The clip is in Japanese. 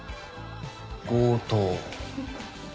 強盗。